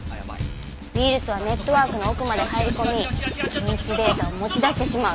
ウイルスはネットワークの奥まで入り込み機密データを持ち出してしまう。